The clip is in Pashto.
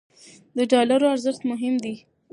د ډالرو ارزښت مهم دی.